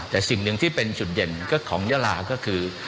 แต่สิ่งหนึ่งที่เป็นจุดเด่นก็ของยาลาก็คือ